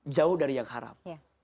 jauh dari yang haram